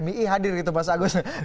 mie hadir gitu mas agus